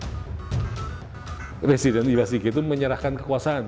keresidenan iwasiki itu menyerahkan kekuasaan